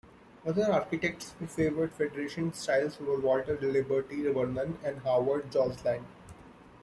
Other architects who favoured Federation styles were Walter Liberty Vernon and Howard Joseland.